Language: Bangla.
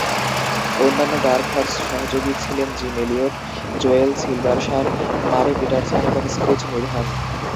অন্যান্য ডার্ক হর্স সহযোগী ছিলেন জিম এলিয়ট, জোয়েল সিলবারশার, মারে পিটারসন এবং স্ক্রিচ নিডহাম।